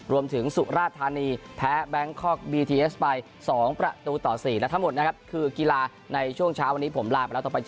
สุราธานีแพ้แบงคอกบีทีเอสไป๒ประตูต่อ๔และทั้งหมดนะครับคือกีฬาในช่วงเช้าวันนี้ผมลาไปแล้วต่อไป